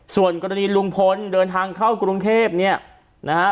ส่วนกรณีลุงพลเดินทางเข้ากรุงเทพเนี่ยนะฮะ